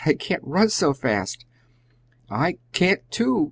I can't run so fast!" "I can't too!"